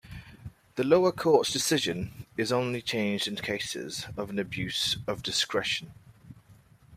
The lower court's decision is only changed in cases of an "abuse of discretion".